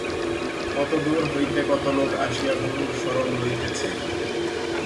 কত দূর হইতে কত লোক আসিয়া গুরুর শরণ লইতেছে।